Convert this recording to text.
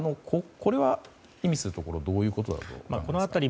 これは意味するところはどういうところだと思いますか。